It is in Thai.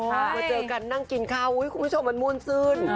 มาเจอกันนั่งกินข้าวคุณผู้ชมมันม่วนซื่น